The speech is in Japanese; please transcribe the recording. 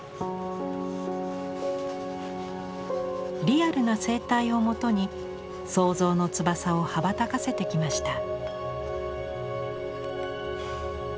リアルな生態をもとに想像の翼を羽ばたかせてきました。